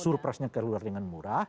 surprise nya terluar dengan murah